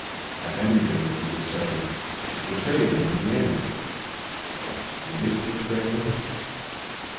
At any rate, you will say, it betrayed him in the end. But did it betray him?